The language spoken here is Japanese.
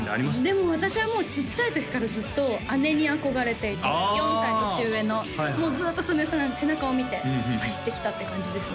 でも私はもうちっちゃい時からずっと姉に憧れていて４歳年上のもうずっとその背中を見て走ってきたって感じですね